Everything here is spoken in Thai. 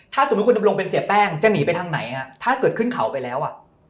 ถ้าสมมุติคุณดำรงเป็นเสียแป้งจะหนีไปทางไหนฮะถ้าเกิดขึ้นเขาไปแล้วอ่ะ